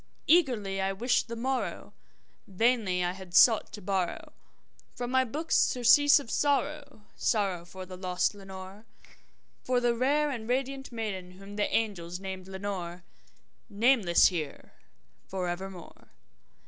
Eagerly I wished the morrow; vainly I had sought to borrow From my books surcease of sorrow sorrow for the lost Lenore For the rare and radiant maiden whom the angels name Lenore Nameless here for evermore.